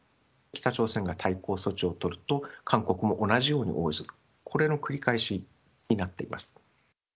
北朝鮮が対抗措置を取ると、韓国も同じように応ずる、これの繰り返しになっています。